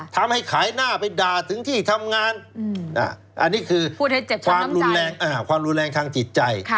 ทำให้ขายหน้าไปด่าถึงที่ทำงานอันนี้คือความรุนแรงความรุนแรงทางจิตใจ